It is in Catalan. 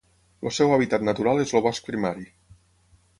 El seu hàbitat natural és el bosc primari.